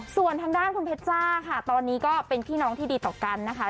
ส่วนทางด้านคุณเพชจ้าค่ะตอนนี้ก็เป็นพี่น้องที่ดีต่อกันนะคะ